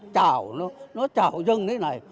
trào nó trào dâng thế này